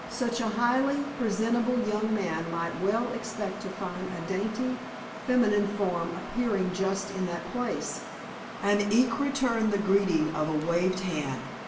Such a highly presentable young man might well expect to find a dainty feminine form appearing just in that place, and eke return the greeting of a waved hand.